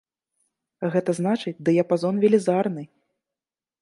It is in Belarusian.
Гэта значыць, дыяпазон велізарны.